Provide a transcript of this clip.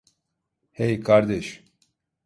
Hey, kardeş.